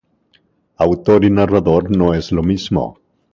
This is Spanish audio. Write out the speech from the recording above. Autor y narrador no es lo mismo.